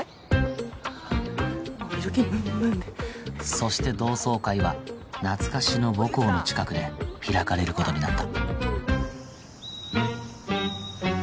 そして同窓会は懐かしの母校の近くで開かれる事になった